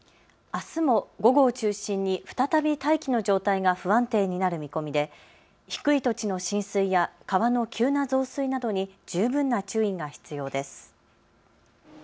あすも午後を中心に再び大気の状態が不安定になる見込みで低い土地の浸水や川の急な増水などに十分な注意が必要です。